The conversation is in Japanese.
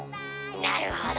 なるほど。